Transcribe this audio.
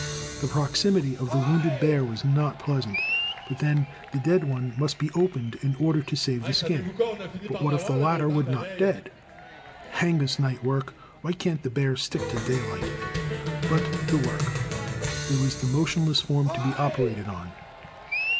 The proximity of the wounded bear was not pleasant, but then the dead one must be opened in order to save the skin. But what if the latter were not dead? Hang this night work! why can't the bears stick to daylight! But to work, there was the motionless form to be operated on.